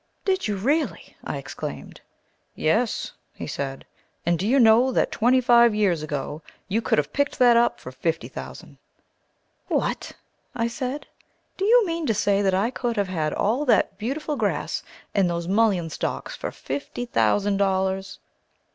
"Did you really!" I exclaimed. "Yes," he said, "and do you know that twenty five years ago you could have picked that up for fifty thousand!" "What," I said, "do you mean to say that I could have had all that beautiful grass and those mullin stalks for fifty thousand dollars?"